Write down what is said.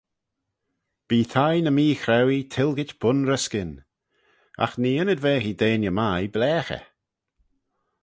Bee thie ny mee-chrauee tilgit bun-ry-skyn: agh nee ynnyd-vaghee deiney mie blaaghey.